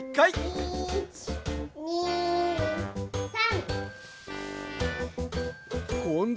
１２３！